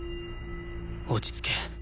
落ち着け